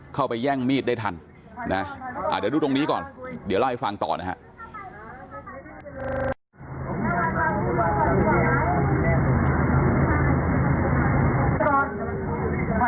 ไปแย่งมีดได้ทันนะเดี๋ยวดูตรงนี้ก่อนเดี๋ยวเล่าให้ฟังต่อนะฮะ